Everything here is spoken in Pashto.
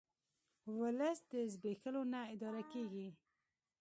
ولس په زبېښولو نه اداره کیږي